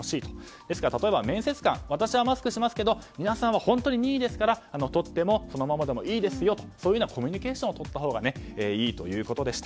ですから、例えば面接官私はマスクしますけど皆さんは本当に任意ですからとっても、そのままでもいいですよとそういうようなコミュニケーションをとったほうがいいということでした。